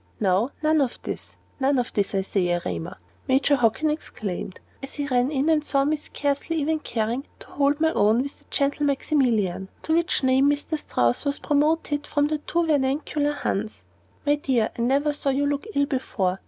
"Now none of this! none of this, I say, Erema!" Major Hockin exclaimed, as he ran in and saw me scarcely even caring to hold my own with the gentle Maximilian to which name Mr. Strouss was promoted from the too vernacular "Hans." "My dear, I never saw you look ill before.